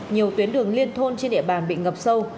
nhiều tuyến đường liên thôn trên địa bàn bị ngập sâu